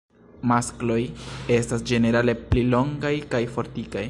Maskloj estas ĝenerale pli longaj kaj fortikaj.